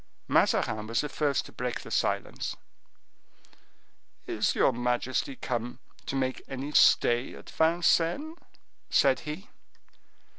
Mazarin was the first to break the silence. "Is your majesty come to make any stay at Vincennes?" said he.